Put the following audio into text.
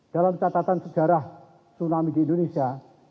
dalam catatan sejarah tsunami di indonesia